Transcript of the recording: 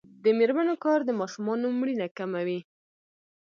د میرمنو کار د ماشومانو مړینه کموي.